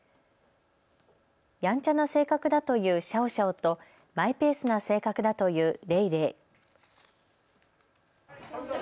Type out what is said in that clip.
やんちゃな性格だというシャオシャオとマイペースな性格だというレイレイ。